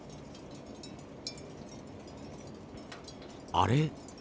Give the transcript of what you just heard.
あれ？